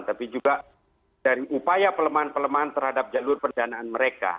tapi juga dari upaya pelemahan pelemahan terhadap jalur perdanaan mereka